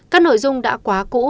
các nội dung đã quá cũ so với kế hoạch